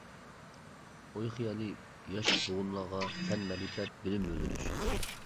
ئوي-خىيالى ياش بوغۇنلارغا، پەن-مەرىپەت، بېلىم بىلدۈرۈش.